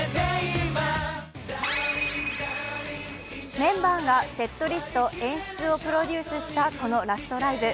メンバーがセットリスト演出をプロデュースしたこのラストライブ。